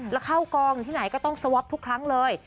แล้วเข้ากองอยู่ที่ไหนก็ต้องสวอปทุกครั้งเลย